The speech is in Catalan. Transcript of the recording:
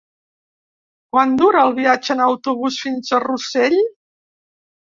Quant dura el viatge en autobús fins a Rossell?